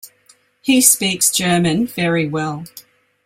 He speaks German very well.